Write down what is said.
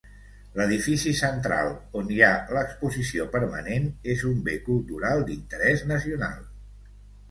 L'edifici central, on hi ha l'exposició permanent, és un bé cultural d'interès nacional.